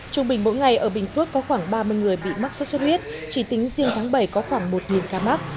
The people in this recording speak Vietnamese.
trung bình mỗi ngày ở bình phước có khoảng ba mươi người bị mắc sốt xuất huyết chỉ tính riêng tháng bảy có khoảng một ca mắc